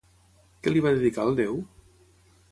Què li va dedicar el déu?